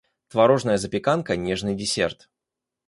Творожная запеканка - нежный десерт.